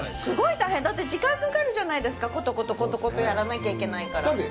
すごい大変だって時間かかるじゃないですかコトコトコトコトやらなきゃいけないから。